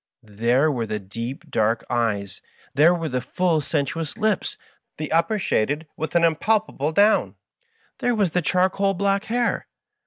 There were the deep, dark eyes, there were the full, sensuous lips, the upper shaded with an impalpable down, there was the charcoal black hair